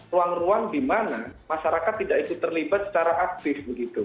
ruang ruang di mana masyarakat tidak terlibat secara aktif